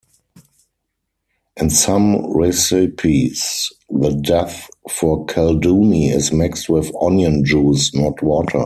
In some recipes the dough for kalduny is mixed with onion juice, not water.